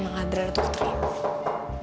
emang adriana tuh keterempuan